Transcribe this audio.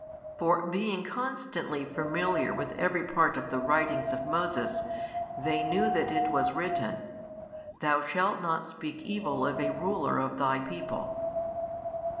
For being constantly familiar with every part of the writings of Moses, they knew that it was written: Thou shalt not speak evil of a ruler of thy people.